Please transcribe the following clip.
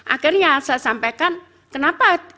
akhirnya saya sampaikan kenapa